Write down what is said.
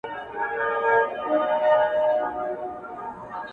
د لرګیو یې پر وکړله وارونه؛